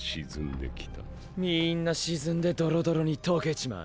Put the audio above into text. みんな沈んでドロドロに溶けちまう。